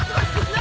何？